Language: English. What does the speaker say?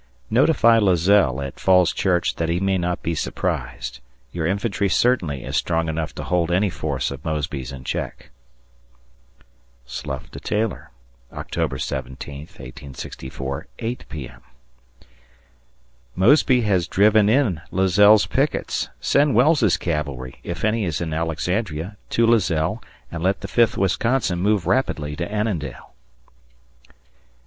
Notify Lazelle at Fall's Church that he may not be surprised. Your infantry certainly is strong enough to hold any force of Mosby's in check. [Slough to Taylor] October 17th, 1864. 8 P.M. Mosby has driven in Lazelle's pickets. Send Wells' cavalry, if any is in Alexandria, to Lazelle and let the Fifth Wisconsin move rapidly to Annandale.